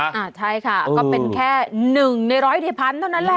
อ่าใช่ค่ะก็เป็นแค่๑ใน๑๐๐๐๐๐เท่านั้นแหละ